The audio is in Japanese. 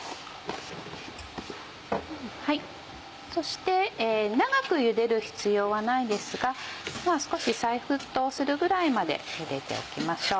そして長く茹でる必要はないですがまぁ少し再沸騰するぐらいまで茹でておきましょう。